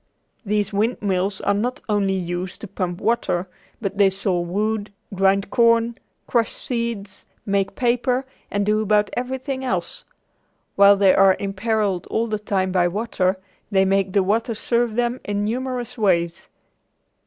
These windmills are not only used to pump water, but they saw wood, grind corn, crush seeds, make paper, and do about everything else. While they are imperilled all the time by water, they make the water serve them in numerous ways.